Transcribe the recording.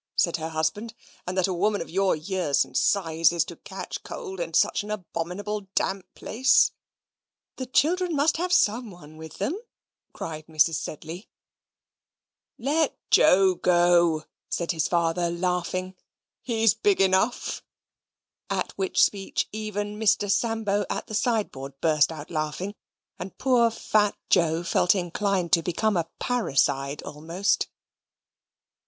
said her husband, "and that a woman of your years and size is to catch cold, in such an abominable damp place?" "The children must have someone with them," cried Mrs. Sedley. "Let Joe go," said his father, laughing. "He's big enough." At which speech even Mr. Sambo at the sideboard burst out laughing, and poor fat Joe felt inclined to become a parricide almost.